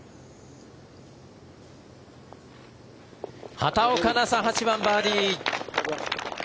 畑岡奈紗、８番バーディー。